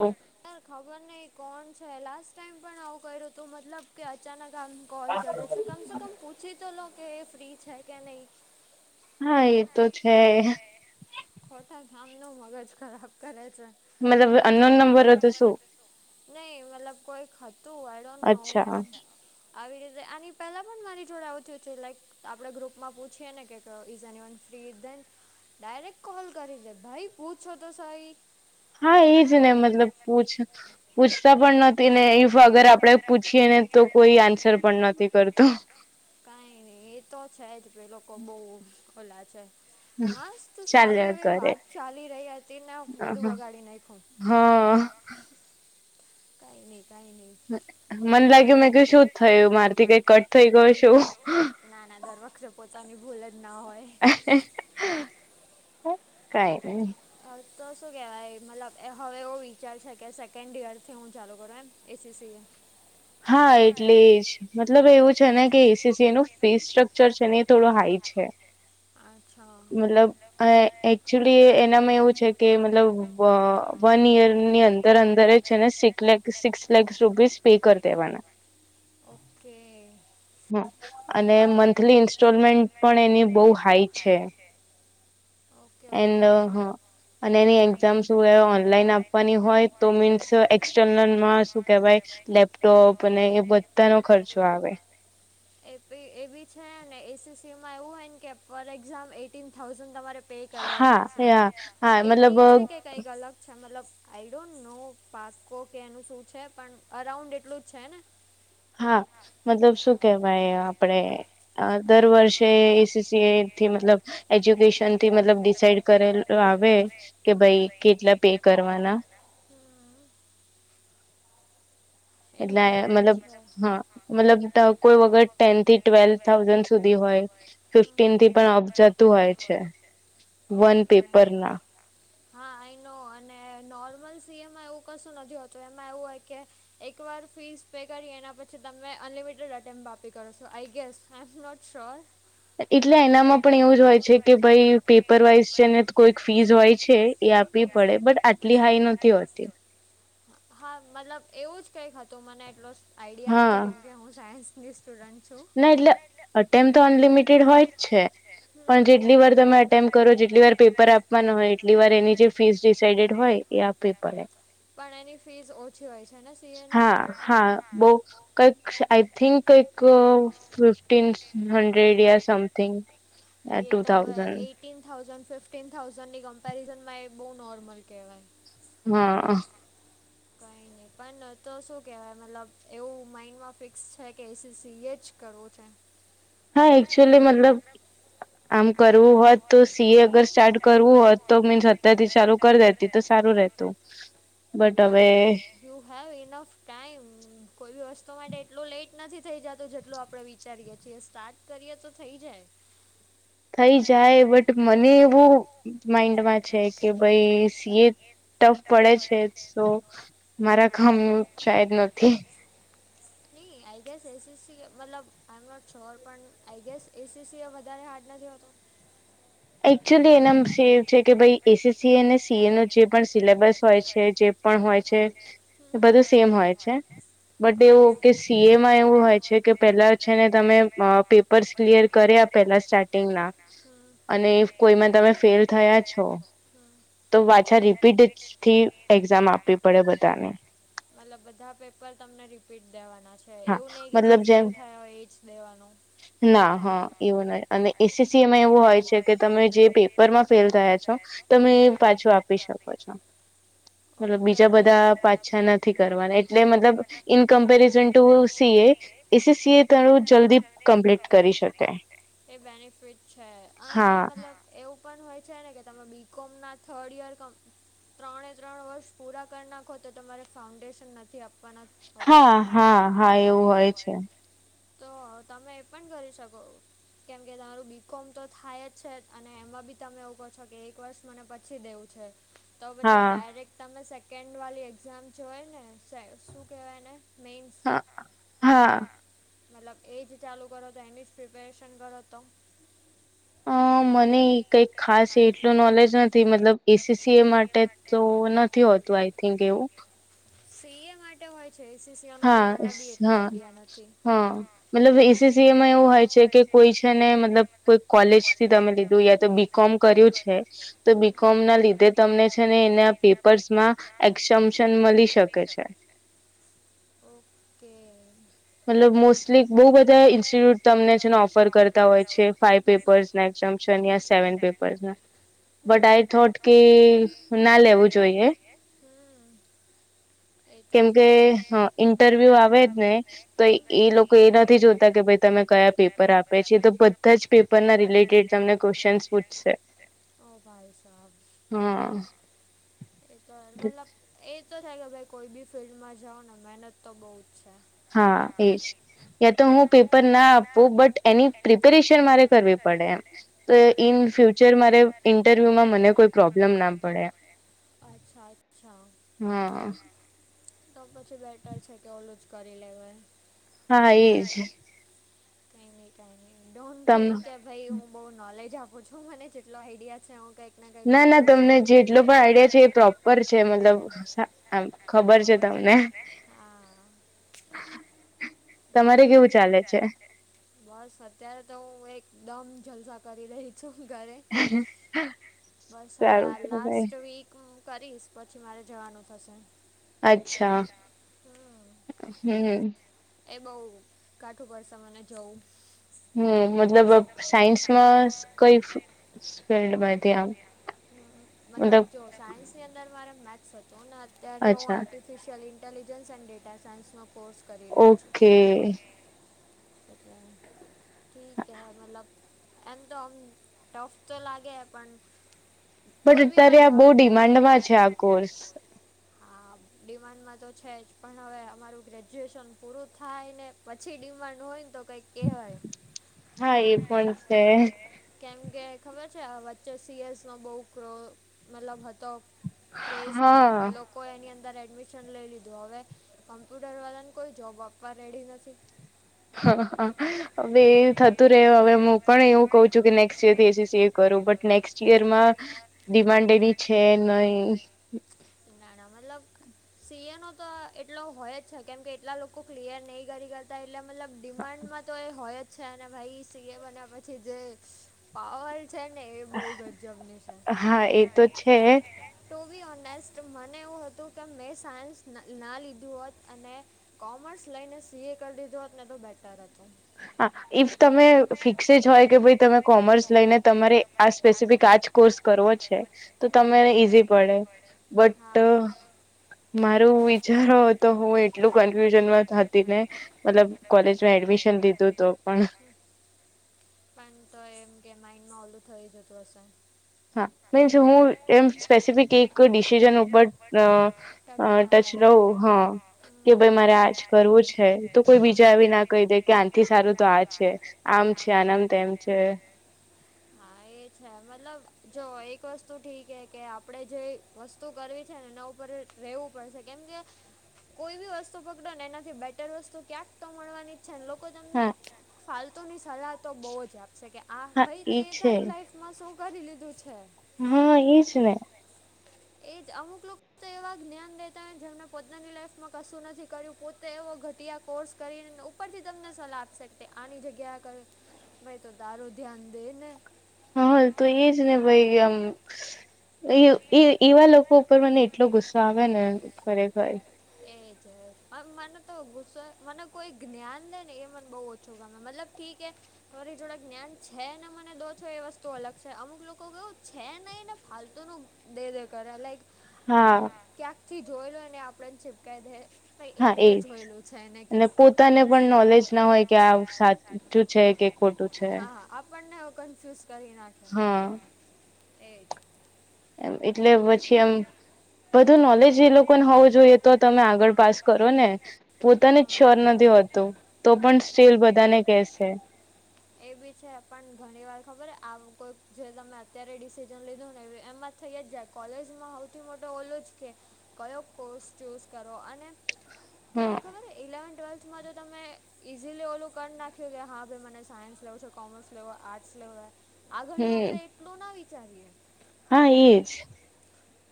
ઓ ખબર નય કોણ છે લાસ્ટ ટાઈમ પણ આવું કર્યું હતું મતલબ કે અચાનક આમ કૉલ કરી દે છે. કમસે કમ પૂછી તોલોઉ કે એ ફ્રી છે કે નય. હા એ તો છે. ખોટા ગામ નું મગજ ખરાબ કરે છે. મતલબ અનોન નંબર હતો શું? નઈ મતલબ કોઈક હતું આય ડોન્ટ નો પણ આવી રીતે આની પેલા પણ મારી જોડે આવું થીયું તું લાઈક આપણે ગ્રુપમાં પૂછીએ ને કે ઈઝ એની ફેન ડાયરેક્ટ કોલ કરી દે ભાઈ પૂછો તો સહી. હા એજ ને મતલબ પૂછ પૂછતા પણ નથી ને ઈફ અગર આપડે પૂછીએ ને તો કોઈ આન્સર પણ નથી કરતું. કાઈ નહી એ તો છે જ એ લોકો બો ઓલા છે. મસ્ત સારી એવી વાત ચાલી રહી હતી ને બધું બગાડી નાયખુ. હા. કાઈ ની કાઈ ની. મન લાગ્યું મેં કે શું થયું મારથી કઈ કટ થઈ ગયો શું? નાના દર વખતે પોતાની ભૂલ જ ના હોય. કાઈ ની તો શું કહેવાય મતલબ હવે એવું વિચાર છે કે સેકન્ડ ઇયરથી હું ચાલુ કરું એમ એસી સી એ હા એટલે જ મતલબ એવું છે ને કે એસી સી એનું ફીસ સ્ટ્રક્ચર છે ને એ થોડું હાઈ છે. મતલબ અ એકચુલી એનામાં એવું છે કે મતલબ વ વન યરની અંદર અંદર છે ને સિક્સ લે સિક્સ લેક્સ રૂપીસ પે કરી દેવાના. ઓકે. હા અને મંથલી ઇન્સ્ટોલમેન્ટ પણ એની બો હાઈ છે. Okay okay. અને એની એક્ઝામ શું ઓનલાઈન આપવાની હોય તો મીન્સ એક્સટર્નલમાં શું કેહેવાય લેપ લેપટોપ અને એ બધાનો ખર્ચો આવે. [inaudible] એ એ બી છે એસી સી માં એવું હોય ને કે પર એક્ઝામ એટીન થાઉઝન્ડ તમારે પે કરવા જોઈ છે એટી છે કે કંઈક અલગ છે મતલબ આઈ ડોન્ટ નો પાકો કે એનું શું છે પણ અરાઉન્ડ એટલું જ છે ને. હા મતલબ શું કેહેવાય આપડે અ દર વર્ષે એસી સી એ થી મતલબ એજ્યુકેશન થી મતલબ ડિસાઇડ કરેલ આવે કે ભાઈ કેટલા પે કરવાના. એટલે મતલબ હા મતલબ કોઈ વગર ટેન થી ટવેલ થાઉઝન્ડ સુધી હોય. ફિફ્ટીન થી પણ અપ જતું હોય છે વન પેપર ના હા એનો અને નોર્મલ સીએમમાં એવું કશું નથી હોતું એમાં એવું હોય કે એકવાર ફીસ પે કરી એના પછી તમે અનલિમિટેડ અટેમ્પ આપપી કરો છો આઈ ગેસ હહેમદદ સર [unintelligible] એટલે એનામાં પણ એવું જ હોય છે કે ભાઈ પેપર વાઈઝ છે ને કોઈક ફીઝ હોય છે એ પડે બટ આટલી હાઈ નથી હોતી. હા મતલબ એવું જ કઈક હતું મને એટલો આઈડિયા નથી કેમ કે હું સાયન્સ સ્ટુડન્ટ છું. ના એટલે અટેમ તો અનલિમિટેડ હોય જ છે. પણ જેટલી વાર તમે અટેમ્પ્ટ કરો જેટલી વાર પેપર આપવાનો હોય એટલી વાર એની જે ફીસ ડિસડેડ હોય એ પી પળે. પણ એની ફીસ ઓછી હોય છે ને હા હા બહ કઈક આઈ થિંક કઈક ફફ hundred something, two thousand. ફિર્ટીીન thousand fifteen થાઉઝન્ડની કમ્પેરિઝમાં બહુ નોર્મલ કહેવાય. હા. કાંઈ નહિ. પણ તો શું કેહેવાય મતલબ એવું માઈન્ડમાં ફિક્સ છે, કે એ સી એચ એ જ કરવું છે. હા એકચુઅલી મતલબ આમ કરવું હોત તો સી એ અગર સ્ટાર્ટ કરવું હોત તો મીન્સ અત્યાર થી ચાલુ કરી દે તો સારું રહેતું. [unintelligible] યુ હેવ ઇનફ ટાઈમ કોઈ બી વસ્તુ માટે એટલો લેટ નથી થઈ જતો જેટલો આપણે વિ વિચારીએ છીએ, સ્ટાર્ટ કરીએ તો થઇ જાય. થઈ જાય બટ મને એવું માઈન્ડમાં છે કે ભાઈ સી એ ટફ પડે છે તો, મારા કામ ન ચાયદ નથી. એ એચ સી સી મતલબ I am not sure A C C વધારે હાર્ડ નથી હોતો? [inaudible] એકચુઅલી એના સ એ છે કે ભાઈ એસ એસ સી અને સી એ નો જે પણ સિલેબસ હોય છે જે પણ હોય છે, બધું સેમ હોય છે. બટ એવું કે સી એમાં એવું હોય છે કે પેલા છે ને તમે પેપર્સ ક્લિયર કરે આપ પેલા સ્ટાર્ટિંગના. અને કોઈમાં તમે ફેલ થયા છો. તો પાછા રીપીટથી એક્ઝામ આપવી પડે બધાને. મતલબ બધા પેપર તમને રીપીટ દેવાના છે. એવું નહી કે જે ફેલ થયા હોય એજ લેવાનું. ના હા એવું ન અને એ સી સી એમાં એવું હોય છે કે તમે જે પેપરમાં ફેલ થયા છો. તમે પાછું આપી શકો છો. [inaudible] મતલબ બીજા બધા પાછા નથી કરવાના એટલે મતલબ ઇન કમ્પેરિઝન તો C A, A C CA ઘણું જલ્દી કમ્પ્લીટ કરી શકે. અને મતલબ એવું પણ હોય છે ને કે તમે બી કોમ ના થર્ડ યર ત્રણ ત્રણ વર્ષ પૂરા કરી નાખો તો તમારે ફાઉન્ડેશન નથી આપો હા, હા એવું હોય છે. તો તમે એ પણ કરી શકો. કેમ કે તમારું બીકોમ તો થાય જ છે અને એમાં બી તમે એવું કહો છો કે એક વર્ષ મને પછી દેવું છે. તો પછી ડાયરેક્ટ તમે સેકન્ડ વાળી એક્ઝામ જોય ને શું કહેવાય ને મેઇન હા હા. મતલબ એજ ચાલુ કરો તો એની જ પ્રિપેરેશન કરો તો? અહ મને ઈ કંઈક ખાસ એટલું નોલેજ નથી. મતલબ ઈ સી સી એ માટે તો નથી હોતું આઈ થિંક એવું. સી એ માટ ટે હોય છે એ સી સી [unintelligible] હા, સ હા, હા. મતલબ ઈ સી સી એમાં એવું હોય છે કે કોઈ છે ને મતલબ કોઈ કોલેજથી તમે લીધું, યા તો બી બી કોમ કર્યું છે, તો બી કોમ ના લીધે તમને છે ને એના પેપર્સમાં એક્સમશન મલી શકે છે. એ મતલબ મોસ્ટલી બહુ બધા ઇન્સ્ટિટ્યુટ તમને છે ને ઓફર કરતા હોય છે ફાઈવ પેપર્સ એક્સમશન યા સેવન પેપર્સના. બટ આઈ થોટ કી ના લેવું જોઈએ. હમ્મ. કેમ કે, હા. ઇન્ટરવ્યુ આવે જ ને તો ઈ લોકો એ નથી જોતા કે ભઈ તમે કયા પેપર આપ્યા છે. એ તો બધ ધા જ પેપરના રિલેટેડ તમને ક્વેશન્સ પૂછશે. ઓહ ભાઈ સાહબ. [unintelligible] મતલબ એતો થાય કે ભઈ કોઈ બી ફિલ્ડમાં જાવ ને મહેનત તો બહુ છે. હા એજ. યા તો હું પેપર ના આપવું, બટ એની પ્રિપેરેશન મારે કરવી પડે એમ. તો ઇન ફ્યુચર મારે ઇન્ટરવ્યુમાં મને કોઈ પ્રોબ્લેમ ના પડે. અચ્છા-અચ્છા. તો પછી બેટર છે કે ઓલું જ કરી લેવાય. હા ઈજ. [unintelligible] ડોન્ટ થિંક કે ભઈ હું બહું નોલેજ આપું છું, મને જેટલો આઈડિયા છે હું કહી ના, ના તમને જેટલો પણ આઈડિયા છે એ પ્રોપર છે મતલબ સા એમ. ખબર છે તમને. તમારે કેવું ચાલે છે? બસ અત્યારે તો હું એકદમ જલસા કરી રહી છું ઘરે. બસ હવે આ લાસ્ટ વીક કરીશ, પછી મારે જવાનું થશે. અચ્છા, હમ્મ. એ બહું કાઠું પડશે મને જવું. હમ્મ. મતલબ અબ સાયન્સમાં કંઈ ફિલ્ડમાંથી આમ. મતલબ જો સાયન્સની અંદર મારે મેથસ હતું, અને અત્યારે હું artificial intelligence and data સાયન્સનો કોર્સ ઓકે. [inaudible] ઠીક હૈ મતલબ એમ તો આમ ટફ તો લાગે હે પણ કોઈ બી માં જાવ, હા. ડિમાન્ડમાં તો છે જ પણ હવે અમારું ગ્રેજ્યુએશન પૂરું થાય ને પછી ડિમાન્ડ હોયન તો કંઈક કહેવાય. હા એ પણ છે. કેમ કે ખબર છે હ વચ્ચે સી એસમાં બહુ ક્રો મતલબ હતો. ક્રેઝ, લોક કોએ એની અંદર એડમિશન લઈ લીધું, હવે કમ્પ્યુટર વાળાને કોઈ જોબ આપવા રેડી નથી. હા, હા. હવે એ થતું રે હવે હું પણ એવું કઉ છું કે નેક્સ્ટ યર થી એસસી એ કરું બટ નેક્સ્ટ યર માં ડિમાન્ડ એની છે નહી. ના ના મતલબ સીએન તો એટલો હોય જ છે કેમ કે એટલા લોકો ક્લિયર નહીં કરી [unintelligible] થાય એટલે મતલબ ડિમાન્ડમાં તો એ હોય જ છે અને ભાઈ સી એ બન્યા પછી જે પાવર છે ને એ બહ ગજબની છે હા એ તો છે. ટુ બી ઓનેસ્ટ મને એવું હતું કે મેં સાયન્સ ના લીધું હોત અને કોમર્સ લઈને સી એ કરી દીધું હોત ને તો બેટર હતું. હા ઇફ તમે ફિક્સ જ હોય કે ભાઈ તમે કોમર્સ લઈને તમારે આ સ્પેસિફિક આજ કોર્સ કરવો છે. તમને ઈઝી પડે બટ મારું વિચારો તો હું એટલું કન્ફ્યુઝન માં હતી ને. મતલબ કોલેજ મા એડમિશન લીધું તો પણ પણ તો એમ ગેમાઈનમાં ઓલું થઈ જતું હશે હા મીન્સ હું એમ સ્પેસિફિક એક ડિસિઝન ઉપર અ ટચ રવ હા કે ભાઈ મારે આજ કરવું છે તો કોઈ બીજા એ ના કહી દે કે આનથી હારું તો આ છે આમ છે આનંદ એમ છે હા એ છે મતલબ જો એક વસ્તુ ઠીક હે કે આપડે જે વસ્તુ કરવી છે ને નવ [unintelligible] રહેવું પડશે કેમ કે કોઈ બી વસ્તુ પકડો ને એનાથી બેટર વસ્તુ ક્યાંક તો મળવાની છે લોકો તમને ફાલતુની સલાહ તો બહુ જ આપશે કે આ ભાઈ તે તારી લાઈફ માં શું કરી લીધું છે હા એજ ને એજ અમુક લોકો એવા જ્ઞાન દેતા હોયને જેમણે પોતાની લાઈફમાં કશું નથી કર્યું પોતે એવો ઘટિયા કોર્સ કરીને ઉપરથી તમને સલાહ આપી શકે આની જગ્યા કર મેં તો તારું ધ્યાન દે નઈ હા તો એજ ને ભાઈ આમ એ એવા લોકો ઉપર મને એટલો ગુસ્સો આવે ને ખરેખર એજ મને તો ગુસ્સો મને કોઈ જ્ઞાન દેય ને એ મને બહુ ઓછું ગમે મતલબ ઠીક હે મારી જોડે જ્ઞાન છે ને મને દો છો એ વસ્તુ અલગ છે અમુક લોકો કેવું છે નહીને ફાલતુનું દે દે કરે લાઈક હા ક્યાંક થી જોયે લો ને આપડેને છીપક દે એમે જોયેલું અને પોતાને પણ નોલેજ ના હોય કે આ સાચું છે કે ખોટું છે આપણને કન્ફ્યુઝ કરી નાખે હા એજ એટલે પછી અમ બધું નોલેજ એ લોકોને હોવું જોઈએ તો તમે આગળ પાસ કરો ને પોતાને જ છ્યોર નથી હોતું તો પણ સ્ટીલ બધાને કહેશે. એ બી છે પણ ઘણી વાર ખબર આવ કોઈક જે તમે અત્યારે ડિસિઝન લીધું ને એ એમાં જ થઈ જાય કોલેજમાં સૌથી મોટો ઓલુ કે કયો કોર્સ ચૂઝ કરો અને કેવું ખબર ઇલેવન ટ્વેલ્થ માં જો તમે ઇઝીલી ઓલું કરી નાખ્યું કે હા ભાઈ મને સાયન્સ લેવો છે કોમર્સ લેવો આર્ટસ લેવુંય આગળનો આપડે એટલો ન વિચારીએ હા એજ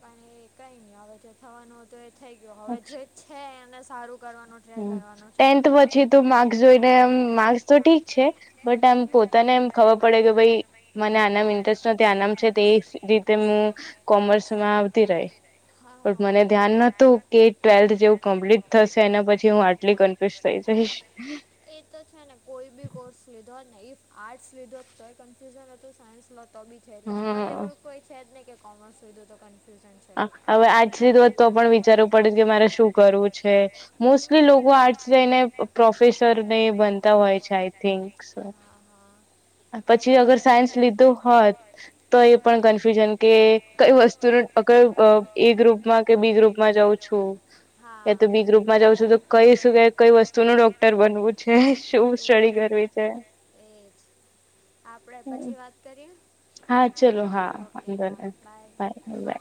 પણ એ કઈ નઈ હવે જે થવાનું હત એ થઈ ગયું હવે જે છે એને સારું કરવાનું હ ટેન્થ પછી તું માર્ જોઈને એમ માર્ક્સ તો ઠીક છે બટ આમ પોતાને એમ ખબર પડે કે ભાઈ મને આનામ ઇન્ટરેસ્ટ નથી આનામ છે તે રીતે હું કોમર્સમાં આવતી રહી પણ મને ધ્યાન નતું કે ટ્વેલ્થ જેવું કમ્પ્લીટ થશે એના પછી હું આટલી કન્ફ્યુઝ થઈ જઈશ એ તો છે ને કોઈ બી કોર્સ લીધો ને ઇફ આર્ટસ લીધો તો કન્ફ્યુઝન હતું સાયન્સ ન તો બી છે એટલે એમાં તો એવું કોઈ છે જ નહી કે કોમર્સ લીધું તો કન્ફ્યુઝન હવે આજ રીત તો પણ વિચારવું પડે કે મારે શું કરવું છે મોસ્ટલી લોકો આર્ટ્સ લઈને પ્રોફેસર ને એ બનતા હોય છે આઈ થિન્ક પછી અગર સાયન્સ લીધું હોત તો એ પણ કન્ફ્યુઝન કે કઈ વસ્તુનુ અ કયુ અ એ ગ્રુપમાં કે બી ગ્રુપમાં જાઉં છું. એ તો બી ગ્રુપ માં જઉ છું તો કઈ શું કઈ વસ્તુ નું ડોક્ટર બનવું છે શું સ્ટડી કરવી. તે એજ આપડે પછી વાત કરીએ? હા ચલો હા વાંધો નય બાય બાય